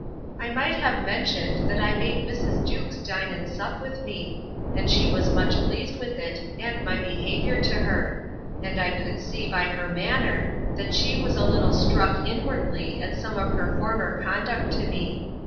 I might have mentioned, that I made Mrs. Jewkes dine and sup with me; and she was much pleased with it, and my behaviour to her. And I could see, by her manner, that she was a little struck inwardly at some of her former conduct to me.